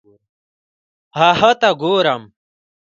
هغه ته ګورم